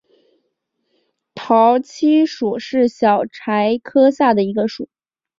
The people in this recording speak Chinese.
桃儿七属是小檗科下的一个属。